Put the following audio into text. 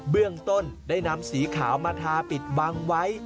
เบื้องต้นได้นำสีขาวมาทาปิดบังไว้